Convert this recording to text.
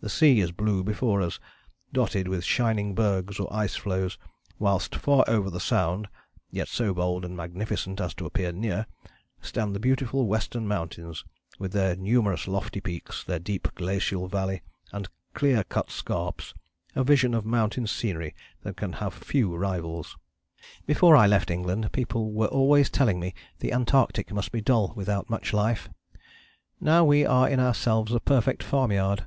The sea is blue before us, dotted with shining bergs or ice floes, whilst far over the Sound, yet so bold and magnificent as to appear near, stand the beautiful Western Mountains with their numerous lofty peaks, their deep glacial valley and clear cut scarps, a vision of mountain scenery that can have few rivals." [Illustration: MT. EREBUS, THE RAMP AND THE HUT] "Before I left England people were always telling me the Antarctic must be dull without much life. Now we are in ourselves a perfect farmyard.